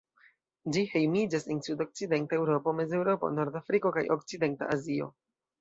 Ĝi hejmiĝas en sudokcidenta Eŭropo, Mezeŭropo, Nordafriko kaj okcidenta Azio.